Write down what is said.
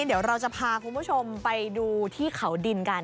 เดี๋ยวเราจะพาคุณผู้ชมไปดูที่เขาดินกัน